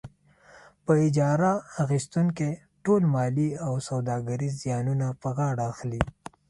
په اجاره اخیستونکی ټول مالي او سوداګریز زیانونه په غاړه اخلي.